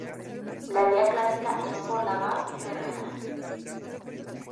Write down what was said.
La vía clásica es por la Vall Ferrera.